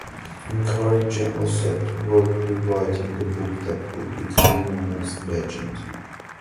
Encouraged, Gemmell set to work rewriting the book that would become known as "Legend".